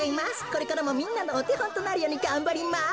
これからもみんなのおてほんとなるようにがんばります。